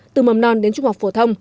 từ mầm non đến trung học phổ thông